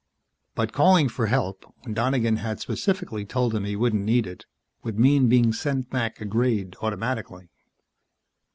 But calling for help, when Donegan had specifically told him he wouldn't need it, would mean being sent back a grade automatically.